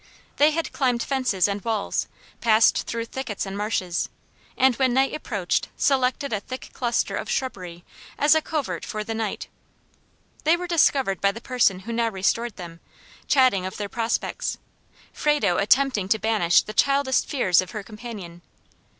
They had climbed fences and walls, passed through thickets and marshes, and when night approached selected a thick cluster of shrubbery as a covert for the night. They were discovered by the person who now restored them, chatting of their prospects, Frado attempting to banish the childish fears of her companion.